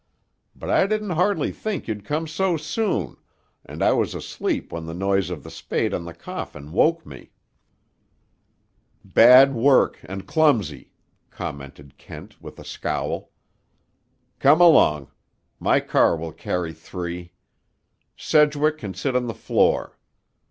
But I didn't hardly think you'd come so soon, and I was asleep when the noise of the spade on the coffin woke me." "Bad work and clumsy," commented Kent with a scowl. "Come along. My car will carry three. Sedgwick can sit on the floor.